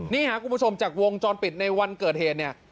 นี่ค่ะคุณผู้ชมจากวงจรปิดในวันเกิดเหตุเนี่ย